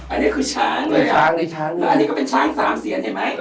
อันนี้คือช้างเลยอ่ะอันนี้ก็เป็นช้างสามเซียนเห็นไหม